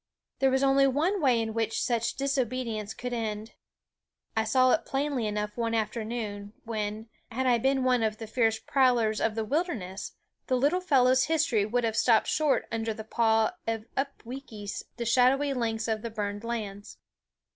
There was only one way in which such disobedience could end. I saw it plainly enough one afternoon, when, had I been one of the fierce prowlers of the wilderness, the little fellow's history would have stopped short under the paw of Upweekis, the shadowy lynx of the burned lands.